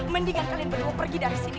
mendingan kalian berdua pergi dari sini